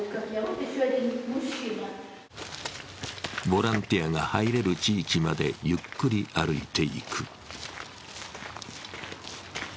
ボランティアが入れる地域までゆっくり歩いていく。